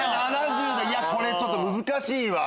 ７０でこれちょっと難しいわ。